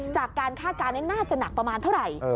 จากการฆ่าการน่าจะหนักประมาณเท่าไหร่